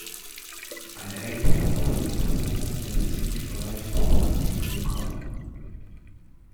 Eine ähnlich verlaufende Untersuchung im medizinischen Bereich ist das Antibiogramm.